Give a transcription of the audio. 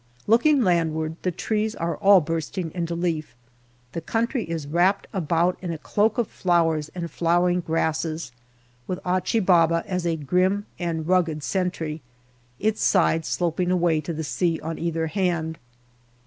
Looking landward, the trees are all bursting into leaf, the country is wrapped about in a cloak of flowers and flowering grasses, with Achi Baba as a grim and rugged sentry, its sides sloping away to the sea on either hand.